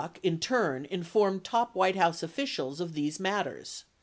Kalmbach, in turn, informed top White House officials of these matters.